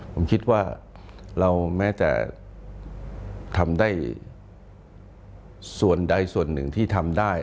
ผมคิดว่าเราแม้แต่ทำได้ส่วนใดส่วนหนึ่งที่ทำได้